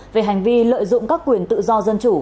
về hành vi lợi dụng các quyền tự do dân chủ